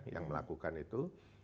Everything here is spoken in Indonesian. yang melakukan itu